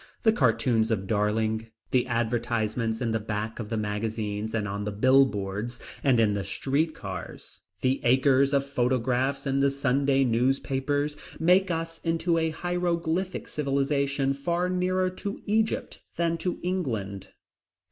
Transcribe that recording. The cartoons of Darling, the advertisements in the back of the magazines and on the bill boards and in the street cars, the acres of photographs in the Sunday newspapers, make us into a hieroglyphic civilization far nearer to Egypt than to England.